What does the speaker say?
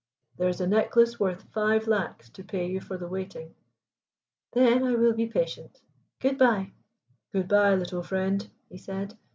"There is a necklace worth five lacs to pay you for the waiting." "Then I will be patient. Good bye." "Good bye, little friend," he said.